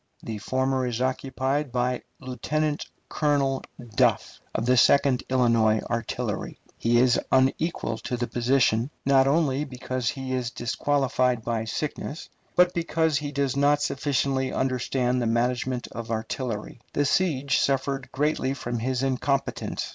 The former is occupied by Lieutenant Colonel Duff, of the Second Illinois Artillery. He is unequal to the position, not only because he is disqualified by sickness, but because he does not sufficiently understand the management of artillery. The siege suffered greatly from his incompetence.